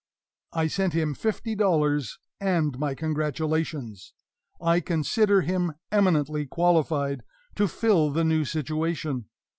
I sent him fifty dollars and my congratulations. I consider him eminently qualified to fill the new situation.